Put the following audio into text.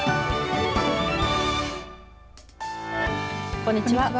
こんにちは。